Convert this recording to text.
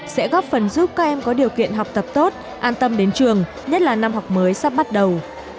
sẽ góp phần giúp các em có điều kiện học tập tốt an tâm đến trường nhất là năm học mới sắp bắt đầu